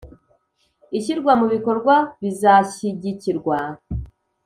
ishyirwa mu bikorwa bizashyigikirwa.